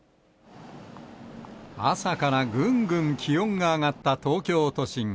朝からぐんぐん気温が上がった東京都心。